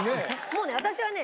もうね私はね